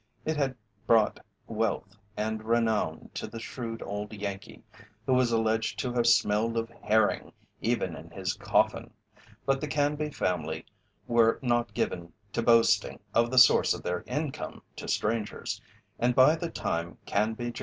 It had brought wealth and renown to the shrewd old Yankee, who was alleged to have smelled of herring even in his coffin, but the Canby family were not given to boasting of the source of their income to strangers, and by the time Canby, Jr.